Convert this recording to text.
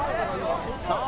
さあ